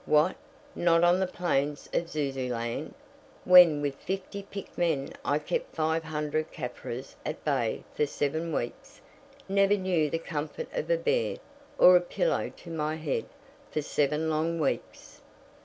"What! not on the plains of Zuzuland, when with fifty picked men I kept five hundred Caffres at bay for seven weeks; never knew the comfort of a bed, or a pillow to my head, for seven long weeks!"